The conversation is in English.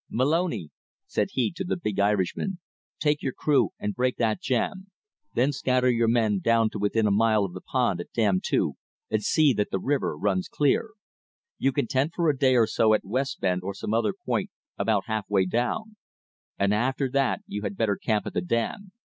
"Moloney," said he to the big Irishman, "take your crew and break that jam. Then scatter your men down to within a mile of the pond at Dam Two, and see that the river runs clear. You can tent for a day or so at West Bend or some other point about half way down; and after that you had better camp at the dam.